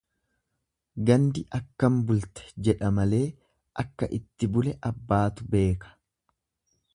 Gandi akkam bulte jedha malee akka itti bule abbaatu beeka.